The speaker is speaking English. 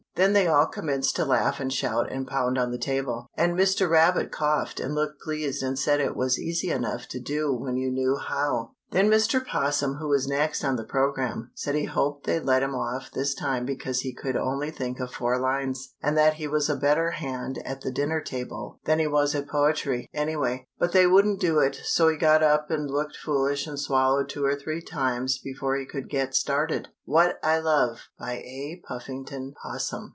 Then they all commenced to laugh and shout and pound on the table. And Mr. Rabbit coughed and looked pleased and said it was easy enough to do when you knew how. [Illustration: LOOKED FOOLISH AND SWALLOWED TWO OR THREE TIMES.] Then Mr. 'Possum, who was next on the program, said he hoped they'd let him off this time because he could only think of four lines, and that he was a better hand at the dinner table than he was at poetry, anyway. But they wouldn't do it, so he got up and looked foolish and swallowed two or three times before he could get started. WHAT I LOVE. BY A. PUFFINGTON 'POSSUM.